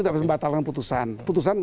tidak bisa membatalkan putusan